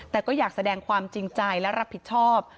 แต่ก็อยากแสดงความจริงใจและรับผิดชอบ